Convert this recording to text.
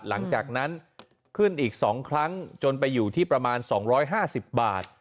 หลังจากนั้นขึ้นอีก๒ครั้งจนไปอยู่ที่ประมาณ๒๕๐บาท